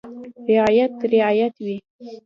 • رعیت رعیت وي.